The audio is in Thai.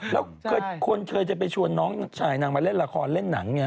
แล้วคนเคยจะไปชวนน้องชายนางมาเล่นละครเล่นหนังไง